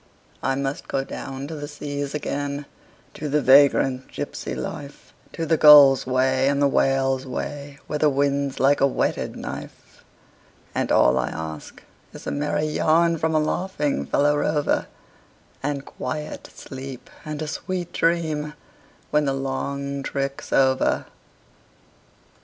I must go down to the seas again, to the vagrant gypsy life, To the gull's way and the whale's way, where the wind's like a whetted knife; And all I ask is a merry yarn from a laughing fellow rover, And quiet sleep and a sweet dream when the long trick's over.